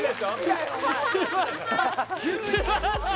急に！？